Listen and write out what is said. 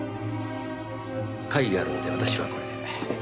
会議があるので私はこれで。